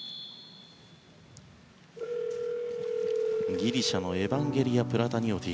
ギリシャのエバンゲリア・プラタニオティ。